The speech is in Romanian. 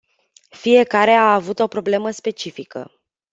Fiecare a avut o problemă specifică.